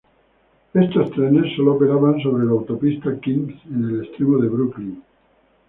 Estos trenes sólo operaban sobre la Autopista Kings en el extremo de Brooklyn.